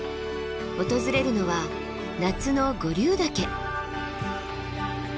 訪れるのは夏の五竜岳。